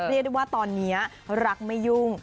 เรียกได้ว่าตอนนี้รักไม่ยุ่ง